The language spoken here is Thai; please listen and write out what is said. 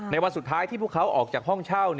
วันสุดท้ายที่พวกเขาออกจากห้องเช่า